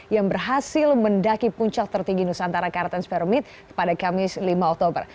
yang berhasil mendaki puncak tertinggi nusantara kartens perumit pada kamis lima oktober